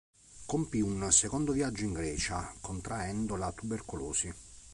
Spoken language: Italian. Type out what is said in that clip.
Compì un secondo viaggio in Grecia contraendo la tubercolosi.